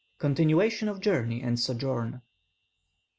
CONTINUATION OF JOURNEY AND SOJOURN.